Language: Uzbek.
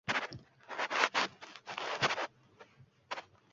Biz ham xuddi shu natijalarni asta-sekin koʻrib boryapmiz.